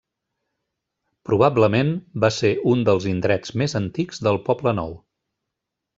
Probablement va ser un dels indrets més antics del Poblenou.